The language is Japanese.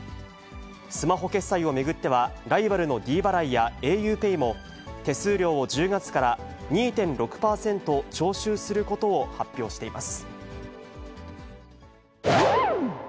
スマホ決済を巡っては、ライバルのｄ払いやａｕペイも、手数料を１０月から２．６％徴収することを発表しています。